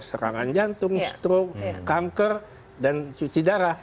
serangan jantung stroke kanker dan cuci darah